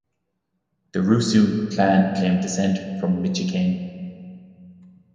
The Rusu clan claimed descent from Michikane.